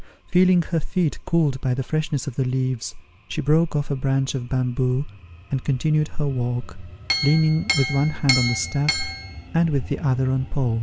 Feeling her feet cooled by the freshness of the leaves, she broke off a branch of bamboo, and continued her walk, leaning with one hand on the staff, and with the other on Paul.